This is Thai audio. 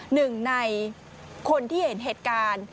หนึ่งในคนที่เห็นเหตุการณ์